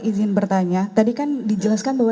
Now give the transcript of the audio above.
izin bertanya tadi kan dijelaskan bahwa